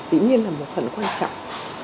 dĩ nhiên là một phần quan trọng